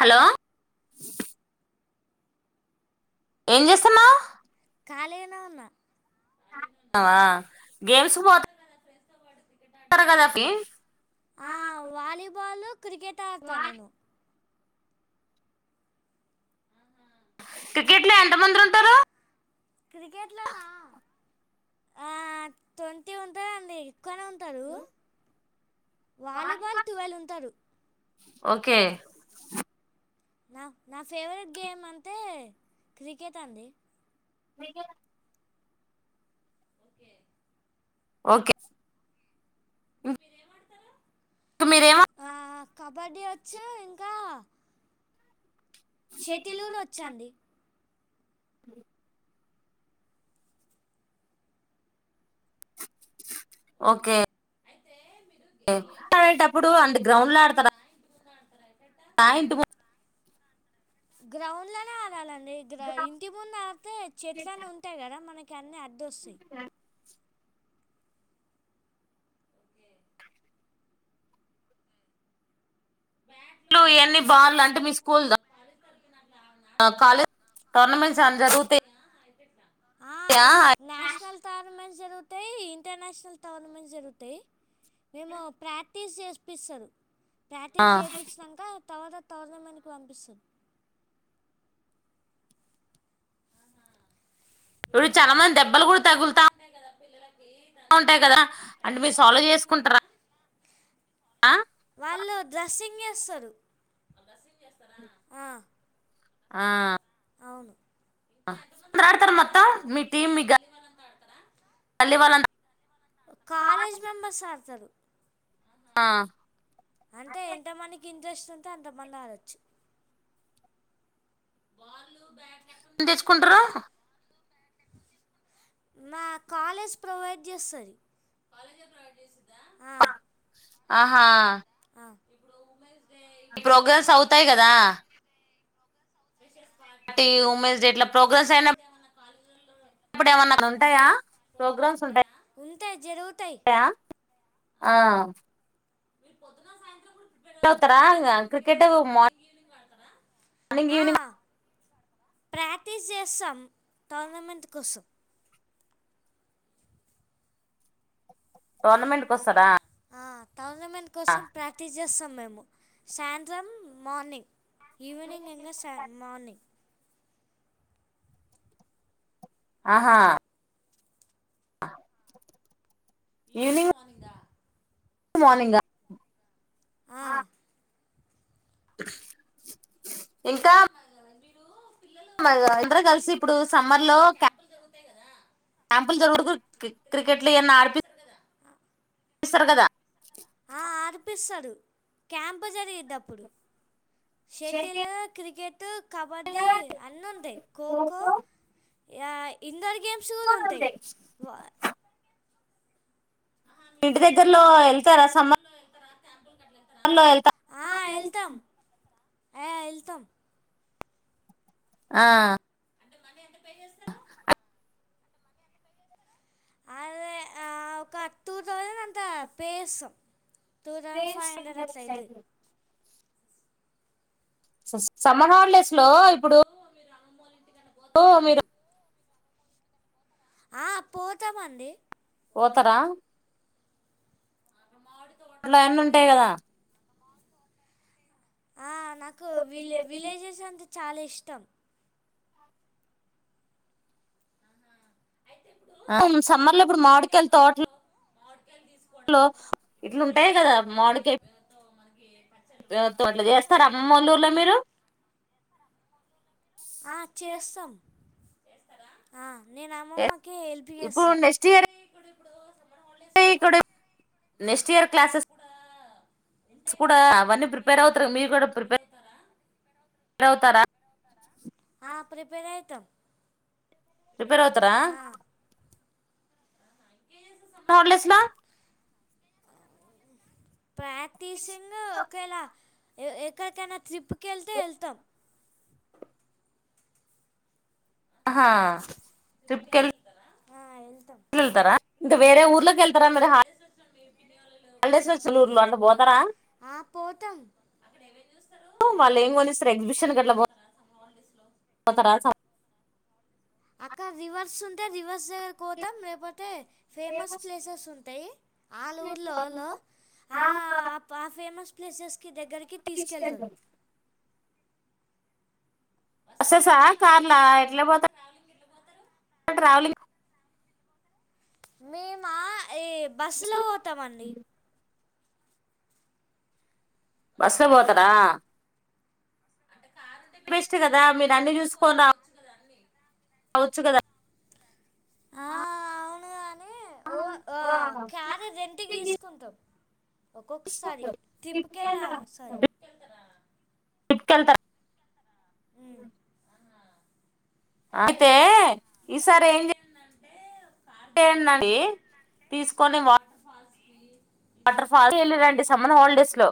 Hello ఏం చేస్తున్నావ్ ఖాళీగానే ఉన్న వా గేమ్స్ కు పోత ఆ వాలీబాలు క్రికెట్ ఆడతా నేను కేట్లా ఎంతమందిర ఉంటారు క్రికెట్లోనా ఆ తొంటి ఉంటదండి ఎక్కువనే ఉంటారు వాలీబాల్ ట్వెల్వ్ ఉంటారు ఓకే నా నా ఫేవరెట్ గేమ్ అంటే క్రికెట్ అండి మేక ఓకే ఓకే తో మీరేం ఆ, కబడ్డీ వచ్చు ఇంకా షటిల్ కూడా వచ్చండి ఓకే అడేటప్పుడు అంటే గ్రౌండ్ లో ఆడతార ఆ ఇంటి ముందు అంటే ఇ ఇంటి ముందు ఆతే చెట్లనే ఉంటాయి కదా మనకి దోసి ఇళ్లు ఇవన్నీ బార్లు అంటే మీ స్కూల్ ద కాలేజ్ టోర్నమెంట్స్ ఏమైనా జరుగుతయ్ ఆ ఇ నేషనల్ టోర్నమెంట్ జరుగు ఉంటయి ఇంటర్నేషనల్ టోర్నమెంట్స్ జరుగుతాయి మేము ప్రా టీస్ చేస్పిస్తురు ఆ, టీస్ చేపించినక తర్వాత టోర్నమెంట్ కి పంపిస్తు ఇప్పుడు చాలా మంది దెబ్బలు కూడా తగులుతా బా ఉంటాయి కదా అంటే మీరు సాల్వ్ చేసుకుంటారా ఆ వాళ్ళు [inaudible] ఆ అవును ఇప్పుడు ఆడతారు మొత్తం మీ టీమ్ ఇగ కాలేజ్ మెంబర్స్ ఆడతారు ఆ అంటే ఎంత మనకి ఉదష్టంతో అంత మంది ఆడొచ్చు [inaudible] ఎం తెచ్చుకుంటరు నా కాలేజ్ ప్రొవైడ్ చేస్తది ఆహా ఆ ఈ ప్రోగ్రామ్స్ అవుతాయి గదా పార్టీ వుమెన్స్ డే ఇట్లా ప్రోగ్రాంస్ అయినా ఇప్పుడు ఏమన్నా ఉంటాయా ప్రోగ్రామ్స్ ఉంటా ఉంటయి జరూరు య ఆ మీరు పొద్దున్న సాయంత్రం అవుతరా క్రికెట్ మా మార్నింగ్ ఆ, ఈవెనింగ్ ప్రాక్టీస్ చేస్తాం టోర్నమెంట్ కోసం టోర్నమెంట్కి వస్తారా ఆ, టోర్నమెంట్ కోసం ప్రాక్టీస్ చేస్తాం మేము సాయంత్రం మార్నింగ్ ఈవినింగ్ ఎం మార్నింగ్ ఆ ఈవినింగ్ మార్నింగ్ దా గు మార్నింగ్ ఆ ఆ ఇంకా ఇందరు కలిసి ఇప్పుడు సమ్మర్ లో క్యాంపుల్ జరువుడుకుూ క్రికెట్లు ఈ అన్ని అడిపి కదా క్యాంపు జరిగేటప్పుడు షెటిల్ క్రికెట్ టు కబడి అన్ని ఉంటాయి కోకో య ఇన్ డోర్ గేమ్స్ కూడా ఉంటాయి ఇంటి దగ్గరలో వెళ్తారా సమ్మర్ లో వెళ్తా ఆ, వెళ్తాం ఆ వెళ్తాం ఆ అంట ఎ పే ఆక్ అదే ఆ ఒక టూ థౌసండ్ అంత పే చేస్తాం two thousand playing five hundred singer ఓ అట్లా అవుతుంది సైడ్ సమ్మర్ హాలిడేస్ లో ఇప్పుడు [inaudible] మీరు ఆ పోతామండి పోతరా ఉంటాయి కదా ఆ నాకు విలే విలేజెస్ అంత చాలా ఇష్టం అవును సమ్మర్ లో ఇప్పుడు మాడికయళ్లు తోటలు ఇట్లు ఇట్లుంటాయి కదా మామిడి కాయ తోట్ల చేస్తారా అమ్మలూరులో మీరు ఆ చేస్తాం ఆ నేను అమ్మమ్మక హెల్ప్ ఇప్పుడు చేస్తా నెక్స్ట్ ఇయర్ ఇక్కడ నెక్స్ట్ ఇయర్ క్లాసెస్ కూడా అవన్నీ ప్రిపేర్ అవుతర మీరు కూడా ప్రిపేర్ ర్ అవుతారా ఆ ప్రిపేర్ ఐతమ్ ప్రిపేర్ అవుతరా లడేస్ లో ప్రాక్టీసింగ్ ఒకేలా ఎ ఎక్కడికైనా ట్రిప్ కి ఎల్తే ఎల్తాం అహా ట్రిప్ కెల్ తం ఊర్లోకి వెళ్తారా మీరు హాలిడేస్ లో ఊర్లో అట్లా పోతారా ఆ పోతాం వాళ్ళు ఏం కొనిస్తారు పోలీసులు పత రా చ [unintelligible] అక్క రివర్స్ ఉంటే రివర్ ర్స్ కోతం లేకపోతే ఫేమస్ ప్లేసెస్ ఉంటాయి. ఆల్ ఊర్లలలో ఆ ఫేమస్ ప్లేసెస్ కి దగ్గరికి తీసుకెళ్తది బస్సెస కార్లా ఇట్ల పోతేర్ ట్రావెలింగ్ మేమా ఏ బస్సులో పోతామండి బస్సు పోతదా టే బెస్ట్ కదా మీరు అన్ని చూసుకొని రా రావచ్చు కదా ఆ అవును ఓ ఆ క్యార్ రెంటికి తీసుకుంటం ఒక్కొక్కసారి ట్రిప్ కెల్లా సారి ట్రిప్ కెల్తర ఉమ్ అయితే ఈసారి ఏం చే ఎందండి ని తీసుకొని వాటార్ ఫా వాటర్ ఫాల్స్ కి వెళ్ళారా అండి సమ్మర్ హాలిడేస్ లో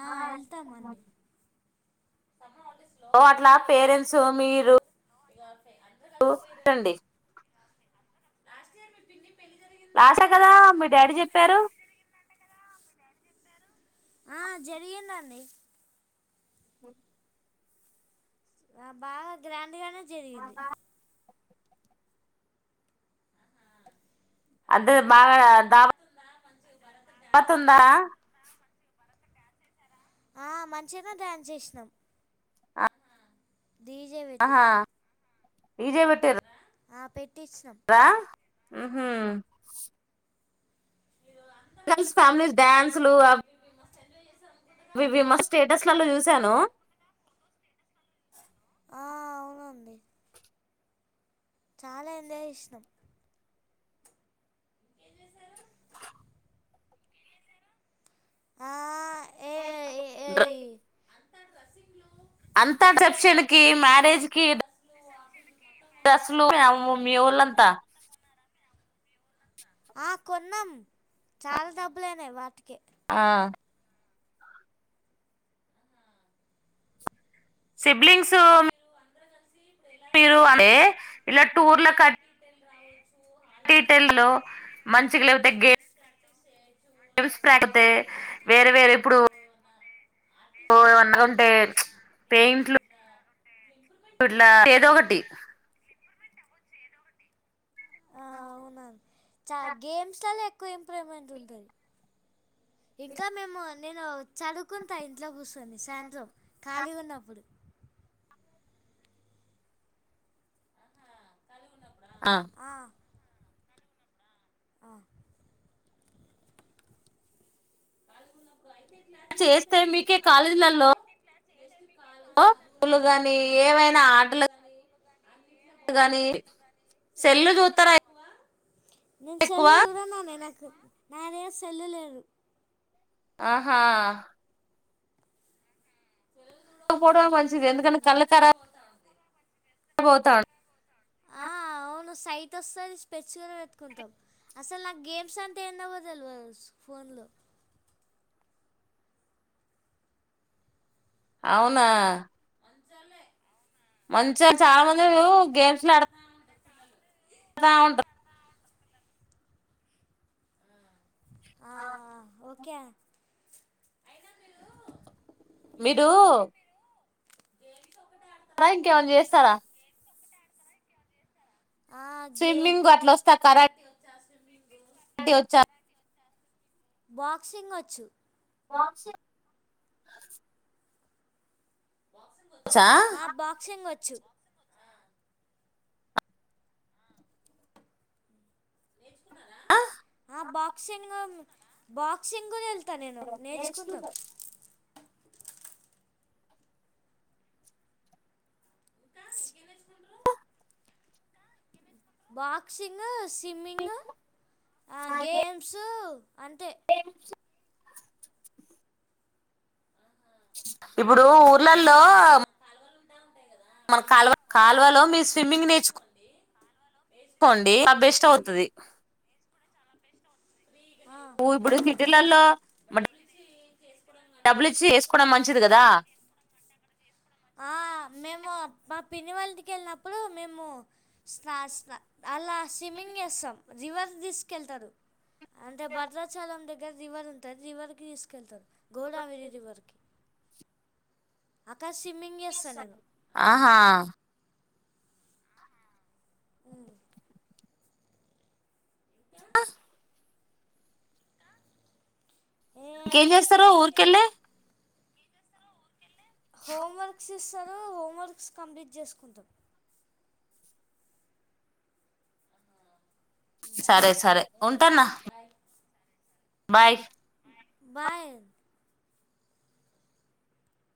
ఆ ఎళ్తామండి. లో అట్ల పేరెంట్స్ మీరు [inaudible] రండి [inaudible] లాస్టే కదా మీ డాడీ చెప్పారు ఆ జరిగిందండి. ఆ బాగా గ్రాండ్ గనే జరిగింది. అంటే మాగా దావా దావతుందా ఆ మంచిగనే డ్యాన్స్ చేసినం పెట్టి ఆహా డీజే పెట్టింరా ఆ పెట్ పెట్పిచినం ఆహా వెకమ్స్ ఫ్యామిలీస్ డ్యాన్సులు అ అవి ఇవి మా స్టేటస్లలో చూసాను. ఆ అవునండి. చాలా ఎంజాయ్ చేస్నం [inaudible] ఆ ఏ ఏ- డ్ర ఏ- అంత రిసెప్షన్కి, మ్యారేజ్కి స్లు [unintelligible] మీ ఒళ్ళంతా ఆ కొన్నాం చాలా డబ్బులు అయినయి వాటికే ఆ సిబ్లింగ్స్ మీరు అంటే ఇలా టూర్ల కట్ మంచిగా లేకపోతే గేమ్స్ ప్రాకపోతే వేరే వేరే ఇప్పుడు ఏమన్నా ఉంటే పెయింట్లు ఇట్లా ఏదో ఒకటి ఆ అవునా చా గేమ్స్ ఎక్కో ఇంప్రూవ్మెంట్ ఉంటది ఇంకా మేము నేను చదువుకుంటా ఇంట్లో కూర్చొని సాయంత్రం ఖాళీగున్నప్పుడు. ఆ ఆ చేస్తాయి మీకే కాలేజ్లల్లో శ శ్రీ [unintelligible] ఓ పలు కాని ఏవైనా ఆటలు కాని సెల్లు చూత్తరా ఎ నేను సెల్ చూడను నానే నా దగ్గర సెల్లు లేదు. ఆహా పోవడమే మంచిది పోతాన్ ఆ సైట్ వస్తది స్పెక్ట్స్ గూడ పెట్టుకుంటం. అసల్ నాక్ గేమ్స్ అంటే ఏందో కూడా తెలవదు ఫోన్లో. అవునా మంచిగా చాలా మంది చూడూ గేమ్స్ లాడత్ తా. ఉంటర్ ఆ ఓకే మీరూ గేమ్స్ ఒక్కటే త ఇంకేమన్నా చేస్తారా ఆ గే స్విమ్మింగ్ అట్ల వస్తా కరాట్ టివి వచ్చా బాక్సింగ్ ఒచ్చు. వాస ఆ బాక్సింగ్ వచ్ వచ్చు. ఏ ఆ బాక్సింగ బాక్సింగ్ గూడ ఎళ్త ళ్త నేను నేర్చుకుంటం. ఇంకా ఇంకేం నేర్చుకుంటున్నవ్. బాక్సిింగ స్విమ్మింగ, ఆ గేమ్సూ గేమ్స్ ఇప్పుడూ ఊర్లల్లో మన కాలువ కాల్వలో మీర్ స్విమ్మింగ్ నేర్చుక్ కోండి అది బెస్ట్ అవుతది. ఊ ఇప్పుడూ సిటీలల్లో మడ్ మంచిది కదా ఆ మేమూ మా పిన్నివాళ్ళింటికి వెళ్ళినప్పుడూ మేమూ స్నా స్ అలా స్విమ్మింగ్ చేస్తాం రివర్స్ తీసుకెళ్తరు. అంటే భద్రాచలం దగ్ క్కే రివర్ ఉంటద్ రివర్ కీ తీసుకెళ్తరు. గోడావరీ రివర్ కి. ఆకాశివ్ ఆహా ఊ ఆ ఏ ఇంకా ఏం చేస్తారు ఊరికెళ్ళి హోమ్వర్క్స్ ఇ సర హోమ్వర్క్స్ కంప్లీట్ చేసుకుంటాం సరే సరే ఉంటాన్న బాయ్ బాయ్